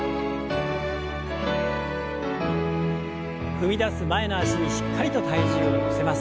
踏み出す前の脚にしっかりと体重を乗せます。